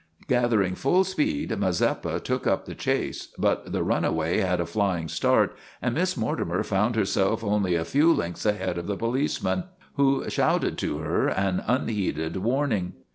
Gathering full speed Mazeppa took up the chase, but the runaway had a flying start and Miss Mortimer found herself only a few lengths ahead of the policeman, who shouted to her an unheeded warning.